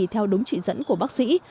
theo đúng chỉ dẫn của bác sĩ